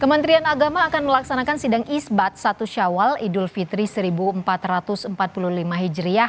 kementerian agama akan melaksanakan sidang isbat satu syawal idul fitri seribu empat ratus empat puluh lima hijriah